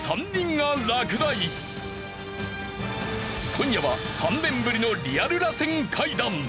今夜は３年ぶりのリアル螺旋階段。